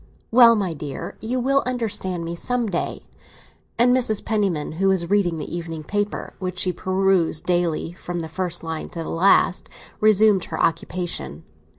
"Well, my dear, you will understand me some day!" And Mrs. Penniman, who was reading the evening paper, which she perused daily from the first line to the last, resumed her occupation.